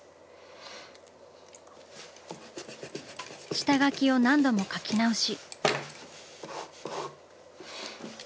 下描きを何度も描き直し。